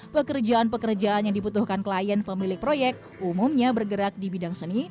pekerjaan pekerjaan yang dibutuhkan klien pemilik proyek umumnya bergerak di bidang seni